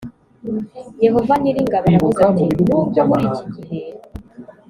yehova nyir ingabo aravuze ati nubwo muri iki gihe